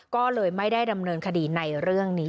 ก็เลยไม่ได้ดำเนินคดีในเรื่องนี้